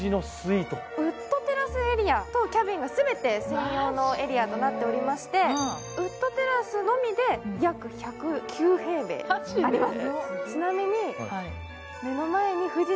ウッドテラスエリアとキャビンが全て専用のエリアとなっておりまして、ウッドテラスのみで約１０９平米あります。